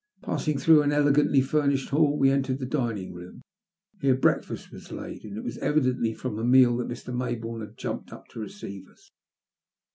Passing through an elegantly furnished hall we entered the dining room. Here breakfast was laid, and it was evidently from that meal that Mr. May bourne had jumped up to receive us.